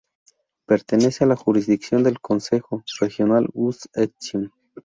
Pertenece a la jurisdicción del Concejo Regional Gush Etzion.